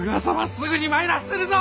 すぐに参らっせるぞ！